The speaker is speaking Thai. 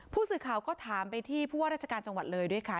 ผู้สื่อข่าวก็ถามไปที่ผู้ว่าราชการจังหวัดเลยด้วยค่ะ